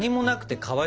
かわいい！